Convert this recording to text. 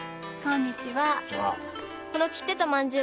こんにちは。